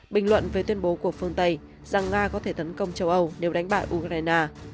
bình luận về tuyên bố của phương tây rằng nga có thể tấn công châu âu nếu đánh bại ukraine